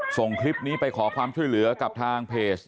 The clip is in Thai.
ส่งคลิปนี้ไปขอความช่วยเหลือกับทางเพจ